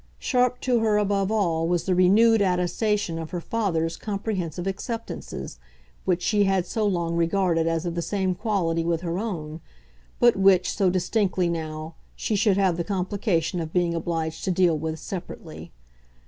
Sharp to her above all was the renewed attestation of her father's comprehensive acceptances, which she had so long regarded as of the same quality with her own, but which, so distinctly now, she should have the complication of being obliged to deal with separately.